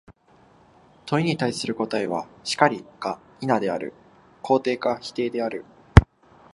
問に対する答は、「然り」か「否」である、肯定か否定である。